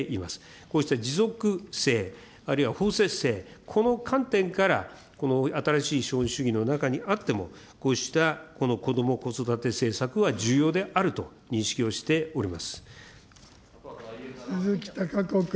こうした持続性、あるいはほうせつ性、この観点から、この新しい資本主義の中にあっても、こうしたこども・子育て政策は重要であ鈴木貴子君。